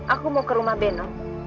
aku mau ke rumah bena